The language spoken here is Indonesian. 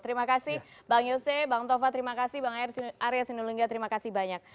terima kasih bang yose bang tova terima kasih bang arya sinulungga terima kasih banyak